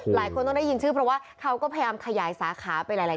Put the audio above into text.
หลายคนต้องได้ยินชื่อเพราะว่าเขาก็พยายามขยายสาขาไปหลาย